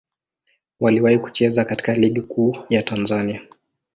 Waliwahi kucheza katika Ligi Kuu ya Tanzania.